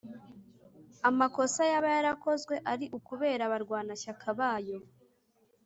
amakosa yaba yarakozwe ari ukubera abarwanashyaka bayo